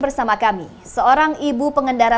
bersama kami seorang ibu pengendara